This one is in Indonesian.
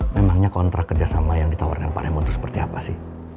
memangnya kontrak kerja sama yang ditawarkan pak remon itu seperti apa sih